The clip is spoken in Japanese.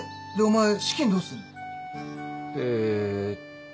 えーっと。